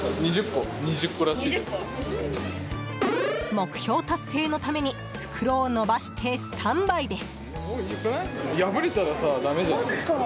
目標達成のために袋を伸ばしてスタンバイです。